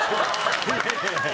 いやいや。